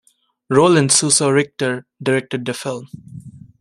Roland Suso Richter directed the film.